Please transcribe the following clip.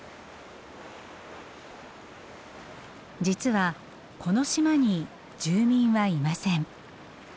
実はこの島に住民はいません。